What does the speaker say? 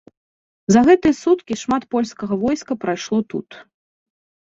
За гэтыя суткі шмат польскага войска прайшло тут.